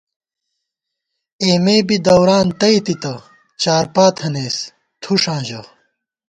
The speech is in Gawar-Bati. اېمےبی دوران تئی تِتہ، چارپا تھنَئیس تھُݭاں ژَہ